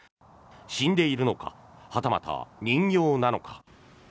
死んでいるのかはたまた人形なのか。